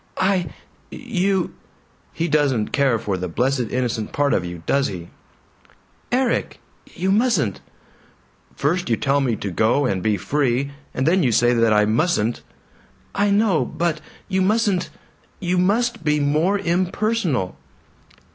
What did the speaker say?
"I you " "He doesn't care for the 'blessed innocent' part of you, does he!" "Erik, you mustn't " "First you tell me to go and be free, and then you say that I 'mustn't'!" "I know. But you mustn't You must be more impersonal!"